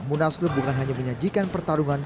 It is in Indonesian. munaslup bukan hanya menyajikan pertarungan